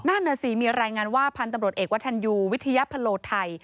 นั่นน่ะสิมีรายงานว่าพันธุ์ตำรวจเอกวัฒนยูวิทยาพโลไทย